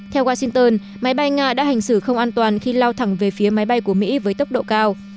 theo washington máy bay nga đã hành xử không an toàn khi lao thẳng về phía máy bay của mỹ với tốc độ cao